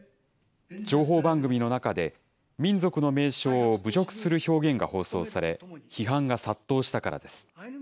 情報番組の中で民族の名称を侮辱する表現が放送され、批判が殺到したからです。